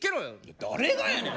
誰がやねん！